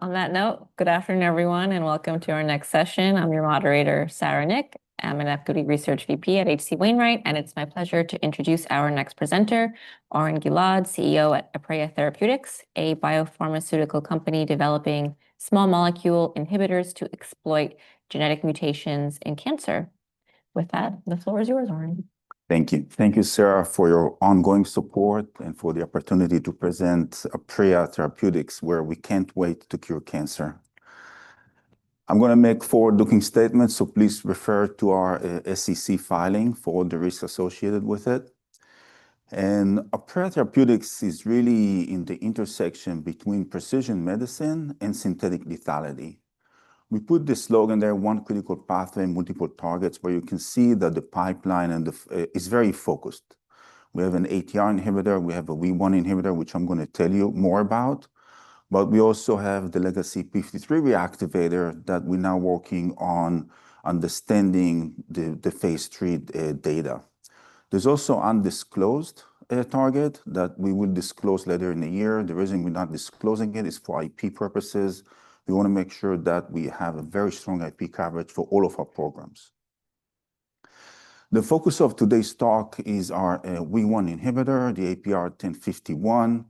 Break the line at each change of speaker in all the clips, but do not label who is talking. On that note, good afternoon, everyone, and welcome to our next session. I'm your moderator, Sara Nik. I'm an Equity Research VP at H.C. Wainwright, and it's my pleasure to introduce our next presenter, Oren Gilad, CEO at Aprea Therapeutics, a biopharmaceutical company developing small molecule inhibitors to exploit genetic mutations in cancer. With that, the floor is yours, Oren.
Thank you. Thank you, Sara, for your ongoing support and for the opportunity to present Aprea Therapeutics, where we can't wait to cure cancer. I'm going to make forward-looking statements, so please refer to our SEC filing for all the risks associated with it. And Aprea Therapeutics is really in the intersection between precision medicine and synthetic lethality. We put the slogan there, "One Clinical Pathway, Multiple Targets," where you can see that the pipeline is very focused. We have an ATR inhibitor. We have a WEE1 inhibitor, which I'm going to tell you more about. But we also have the legacy p53 reactivator that we're now working on understanding the phase three data. There's also undisclosed targets that we will disclose later in the year. The reason we're not disclosing it is for IP purposes. We want to make sure that we have a very strong IP coverage for all of our programs. The focus of today's talk is our WEE1 inhibitor, the APR-1051.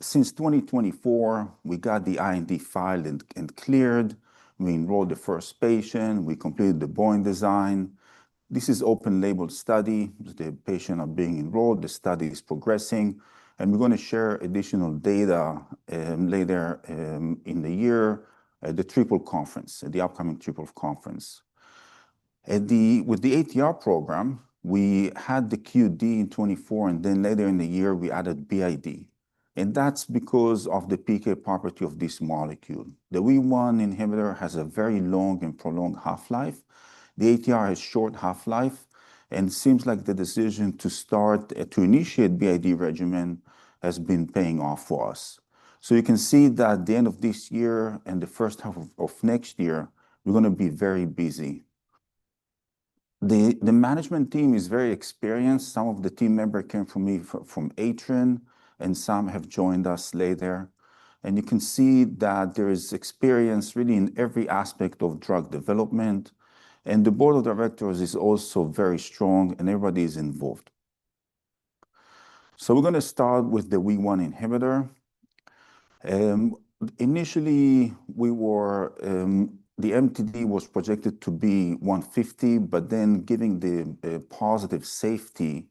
Since 2024, we got the IND filed and cleared. We enrolled the first patient. We completed the dose design. This is an open-label study. The patient is being enrolled. The study is progressing. We're going to share additional data later in the year, the Triple Conference, the upcoming Triple Conference. With the ATR program, we had the QD in 2024, and then later in the year, we added BID. That's because of the PK property of this molecule. The WEE1 inhibitor has a very long and prolonged half-life. The ATR has a short half-life. It seems like the decision to start to initiate the BID regimen has been paying off for us. So you can see that at the end of this year and the first half of next year, we're going to be very busy. The management team is very experienced. Some of the team members came from Atrin, and some have joined us later. And you can see that there is experience really in every aspect of drug development. And the board of directors is also very strong, and everybody is involved. So we're going to start with the WEE1 inhibitor. Initially, the MTD was projected to be 150, but then given the positive safety,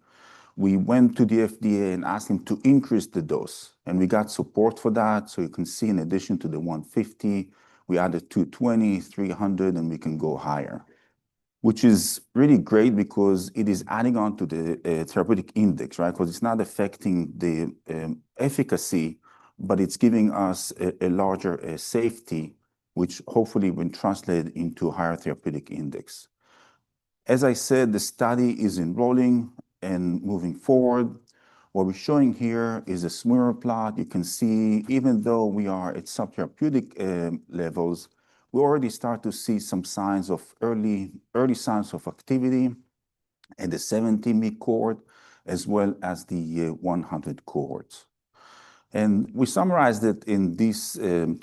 we went to the FDA and asked them to increase the dose. And we got support for that. So you can see in addition to the 150, we added 220, 300, and we can go higher, which is really great because it is adding on to the therapeutic index, right? Because it's not affecting the efficacy, but it's giving us a larger safety, which hopefully will translate into a higher therapeutic index. As I said, the study is enrolling and moving forward. What we're showing here is a swimmer plot. You can see even though we are at subtherapeutic levels, we already start to see some signs of early signs of activity at the 70 mg cohort as well as the 100 mg cohorts. We summarized it in this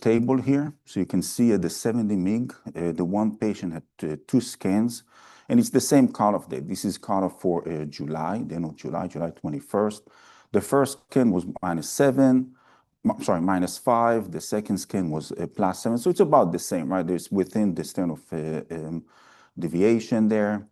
table here so can see at the 70 mg, the one patient had two scans. It's the same cut-off date. This is cut-off for July, the end of 21 July. The first scan was minus seven, sorry, minus five. The second scan was plus seven. So it's about the same, right? It's within the standard deviation there.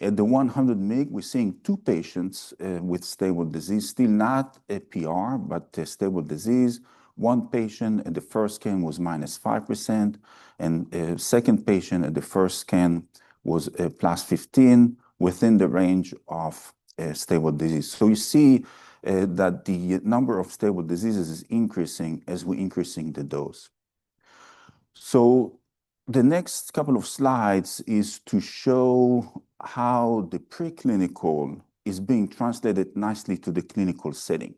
At the 100 mg, we're seeing two patients with stable disease, still not PR, but stable disease. One patient at the first scan was -5%. And the second patient at the first scan was +15%, within the range of stable disease. So you see that the number of stable diseases is increasing as we're increasing the dose. So the next couple of slides is to show how the preclinical is being translated nicely to the clinical setting.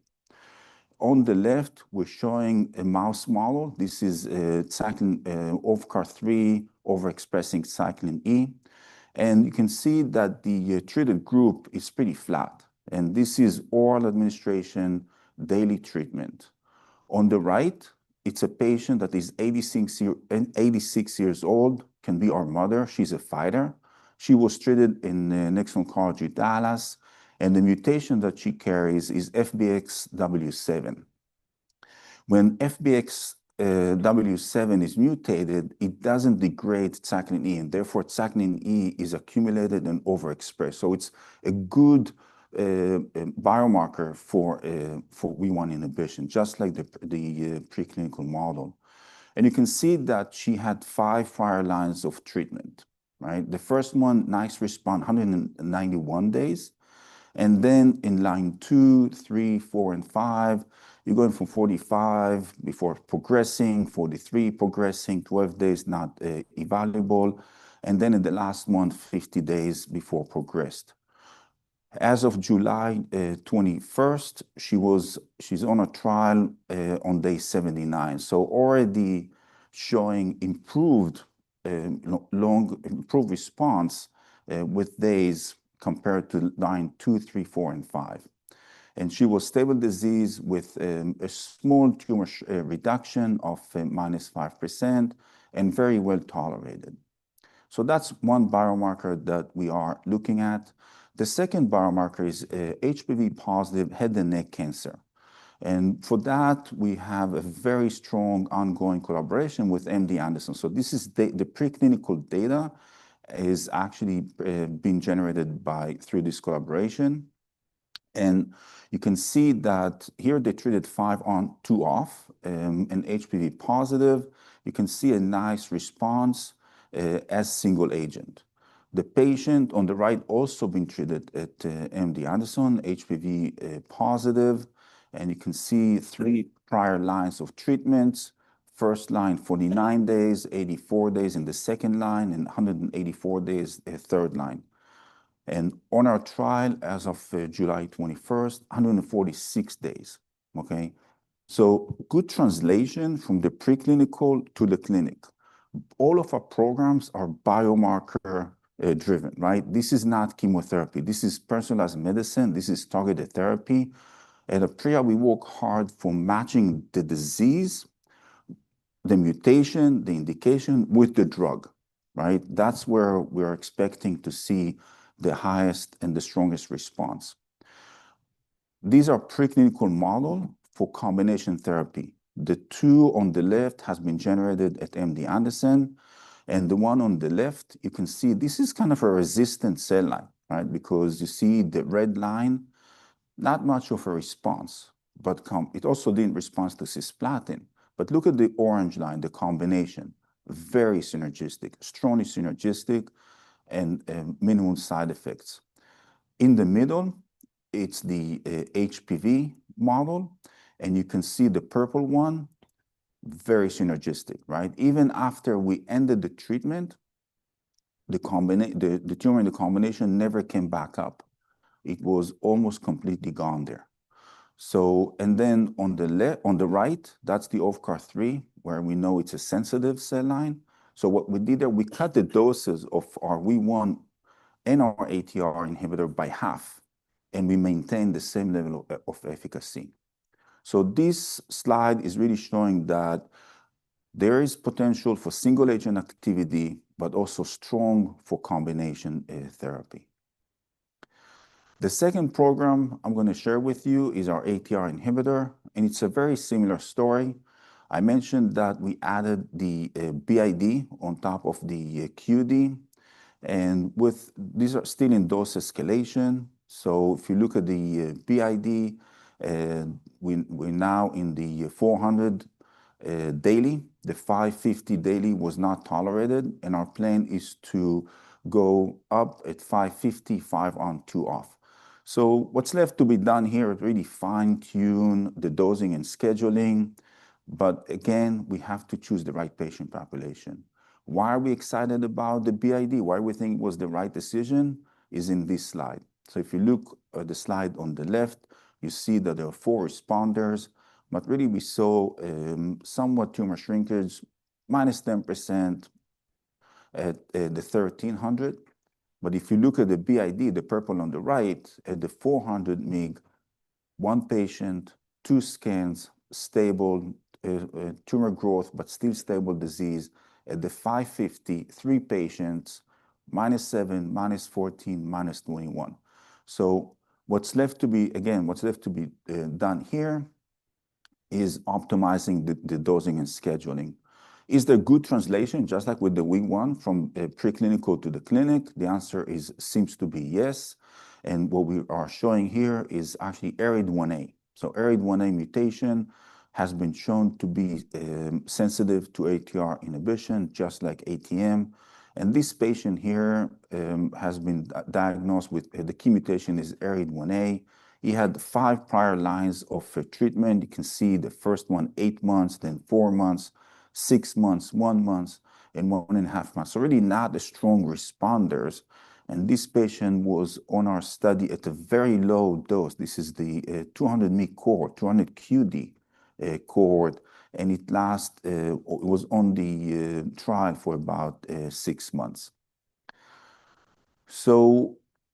On the left, we're showing a mouse model. This is cyclin OVCAR-3, overexpressing cyclin E, and you can see that the treated group is pretty flat. And this is oral administration, daily treatment. On the right, it's a patient that is 86 years old, can be our mother. She's a fighter. She was treated in Next Oncology in Dallas, and the mutation that she carries is FBXW7. When FBXW7 is mutated, it doesn't degrade cyclin E, and therefore, cyclin E is accumulated and overexpressed, so it's a good biomarker for WEE1 inhibition, just like the preclinical model, and you can see that she had five prior lines of treatment, right? The first one, nice response, 191 days, and then in line two, three, four, and five, you're going from 45 before progressing, 43 progressing, 12 days not evaluable, and then in the last line, 50 days before progressed. As of 21 July, she's on a trial on day 79, so already showing improved response with days compared to line two, three, four, and five, and she was stable disease with a small tumor reduction of -5% and very well tolerated, so that's one biomarker that we are looking at. The second biomarker is HPV-positive head and neck cancer. And for that, we have a very strong ongoing collaboration with MD Anderson. So this is the preclinical data is actually being generated through this collaboration. And you can see that here they treated five on two off and HPV-positive. You can see a nice response as single agent. The patient on the right also been treated at MD Anderson, HPV-positive. And you can see three prior lines of treatments. First line, 49 days, 84 days in the second line, and 184 days third line. And on our trial as of 21 July, 146 days. Okay? So good translation from the preclinical to the clinic. All of our programs are biomarker-driven, right? This is not chemotherapy. This is personalized medicine. This is targeted therapy. At Aprea, we work hard for matching the disease, the mutation, the indication with the drug, right? That's where we're expecting to see the highest and the strongest response. These are preclinical model for combination therapy. The two on the left has been generated at MD Anderson. And the one on the left, you can see this is kind of a resistant cell line, right? Because you see the red line, not much of a response, but it also didn't respond to cisplatin. But look at the orange line, the combination, very synergistic, strongly synergistic, and minimum side effects. In the middle, it's the HPV model. And you can see the purple one, very synergistic, right? Even after we ended the treatment, the tumor and the combination never came back up. It was almost completely gone there. And then on the right, that's the OVCAR-3, where we know it's a sensitive cell line. So what we did there, we cut the doses of our WEE1 and our ATR inhibitor by half. And we maintained the same level of efficacy. So this slide is really showing that there is potential for single agent activity, but also strong for combination therapy. The second program I'm going to share with you is our ATR inhibitor. And it's a very similar story. I mentioned that we added the BID on top of the QD. And with these are still in dose escalation. So if you look at the BID, we're now in the 400 daily. The 550 daily was not tolerated. And our plan is to go up at 550, five on two off. So what's left to be done here is really fine-tune the dosing and scheduling. But again, we have to choose the right patient population. Why are we excited about the BID? Why we think it was the right decision is in this slide. So if you look at the slide on the left, you see that there are four responders. But really, we saw somewhat tumor shrinkage, minus 10% at the 1300. But if you look at the BID, the purple on the right, at the 400 mg, one patient, two scans, stable tumor growth, but still stable disease. At the 550, three patients, minus 7%, minus 14%, minus 21%. So what's left to be, again, what's left to be done here is optimizing the dosing and scheduling. Is there good translation just like with the WEE1 from preclinical to the clinic? The answer seems to be yes. And what we are showing here is actually ARID1A. So ARID1A mutation has been shown to be sensitive to ATR inhibition, just like ATM. This patient here has been diagnosed with the key mutation, ARID1A. He had five prior lines of treatment. You can see the first one, eight months, then four months, six months, one month, and one and a half months. Really not the strong responders. This patient was on our study at a very low dose. This is the 200 mg cohort, 200 mg QD cohort. It lasted. It was on the trial for about six months.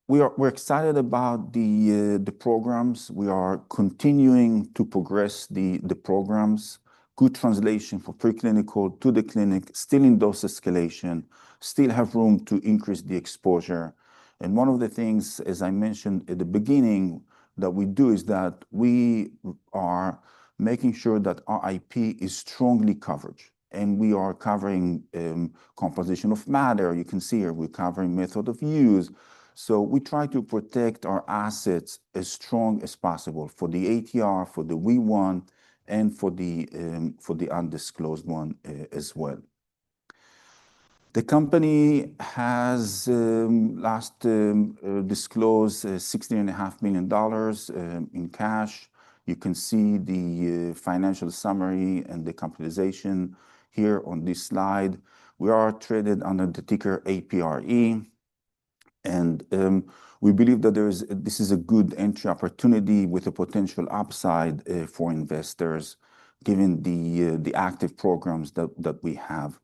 We're excited about the programs. We are continuing to progress the programs. Good translation from preclinical to the clinic, still in dose escalation, still have room to increase the exposure. One of the things, as I mentioned at the beginning, that we do is that we are making sure that our IP is strongly covered. We are covering composition of matter. You can see here, we're covering method of use, so we try to protect our assets as strong as possible for the ATR, for the WEE1, and for the undisclosed one as well. The company has last disclosed $16.5 million in cash. You can see the financial summary and the capitalization here on this slide. We are traded under the ticker APRE, and we believe that this is a good entry opportunity with a potential upside for investors given the active programs that we have.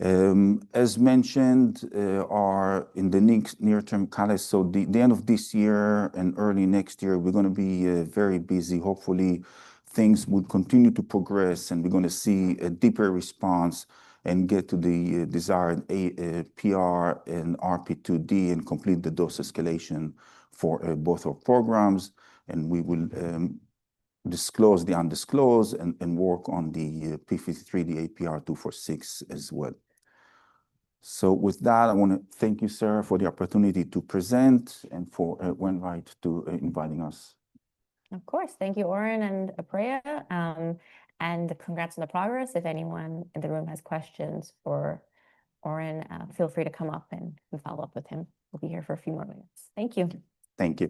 As mentioned, in the near-term catalysts, so the end of this year and early next year, we're going to be very busy. Hopefully, things would continue to progress, and we're going to see a deeper response and get to the desired PR and RP2D and complete the dose escalation for both our programs. We will disclose the undisclosed and work on the p53, the APR-246 as well. With that, I want to thank you, Sara, for the opportunity to present and for Wainwright inviting us.
Of course. Thank you, Oren and Aprea. Congrats on the progress. If anyone in the room has questions for Oren, feel free to come up and follow up with him. We'll be here for a few more minutes. Thank you.
Thank you.